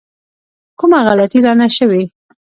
کومه غلطي رانه شوې.